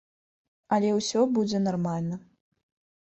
Але ўсё будзе нармальна.